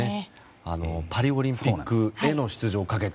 パリオリンピックへの出場をかけた。